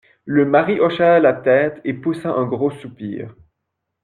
Le mari hocha la tête et poussa un gros soupir.